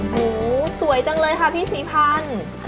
โอ้โหสวยจังเลยค่ะพี่ศรีพันธ์